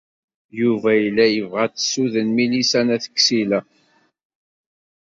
Yuba yella yebɣa ad t-tessuden Milisa n At Ksila.